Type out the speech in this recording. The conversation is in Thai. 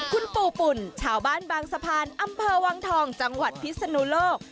คุณปู่ปุ่นชาวบ้านบางสะพานอำเภอวังทองจังหวัดพิศนุโลก